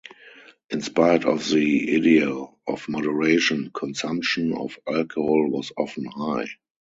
In spite of the ideal of moderation, consumption of alcohol was often high.